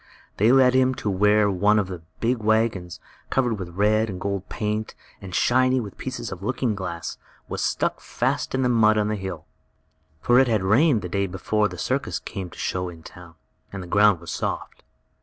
They led him to where one of the big wagons, covered with red and gold paint, and shiny with pieces of looking glass, was stuck fast in the mud on a hill. For it had rained the day before the circus came to show in the town, and the ground was soft.